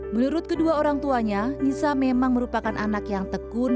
menurut kedua orang tuanya nisa memang merupakan anak yang tegur